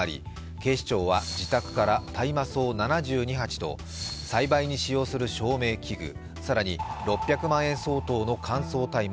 警視庁は自宅から大麻草７２鉢と、栽培に使用する照明器具、更に６００万円相当の乾燥大麻